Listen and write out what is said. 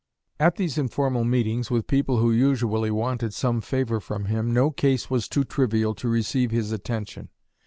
At these informal meetings with people who usually wanted some favor from him, no case was too trivial to receive his attention.